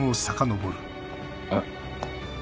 あっ。